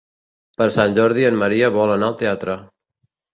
Per Sant Jordi en Maria vol anar al teatre.